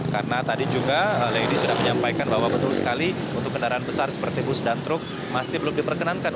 karena tadi juga lady sudah menyampaikan bahwa betul sekali untuk kendaraan besar seperti bus dan truk masih belum diperkenankan